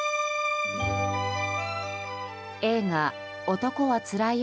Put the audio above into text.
映画「男はつらいよ」